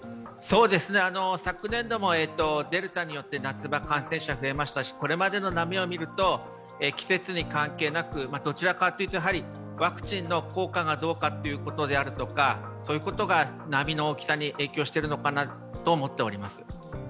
昨年度も、デルタによって夏場、感染者、増えましたしこれまでの波をみると、季節に関係なく、どちらかというとやはりワクチンの効果がどうかということであるとか、そういうことが波の大きさに影響しているのかなと思っております。